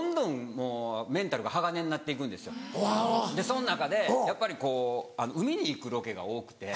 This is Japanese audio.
その中でやっぱりこう海に行くロケが多くて。